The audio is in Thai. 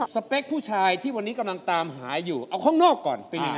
เปคผู้ชายที่วันนี้กำลังตามหาอยู่เอาข้างนอกก่อนเป็นยังไง